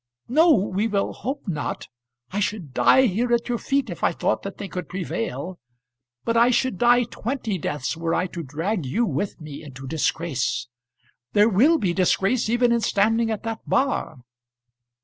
"No; we will hope not. I should die here at your feet if I thought that they could prevail. But I should die twenty deaths were I to drag you with me into disgrace. There will be disgrace even in standing at that bar."